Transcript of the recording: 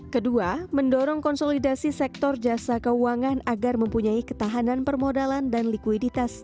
kedua mendorong konsolidasi sektor jasa keuangan agar mempunyai ketahanan permodalan dan likuiditas